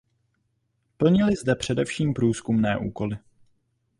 Plnily zde především průzkumné úkoly.